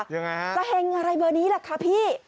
ยังไงครับกระแหงอะไรเบอร์นี้แหละค่ะพี่